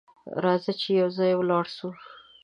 راځه چې یو ځای ولاړ سو!